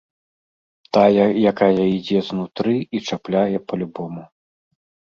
Тая, якая ідзе знутры і чапляе па-любому.